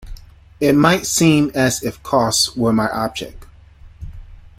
It might seem as if costs were my object.